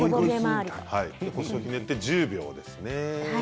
腰をひねって１０秒です。